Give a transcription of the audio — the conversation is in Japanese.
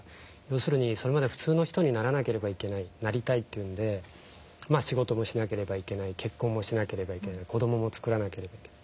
要するにそれまで普通の人にならなければいけないなりたいというんで仕事もしなければいけない結婚もしなければいけない子供もつくらなければいけない。